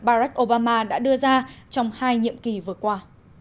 barack obama đã đưa ra trong hai nhiệm kỳ vừa qua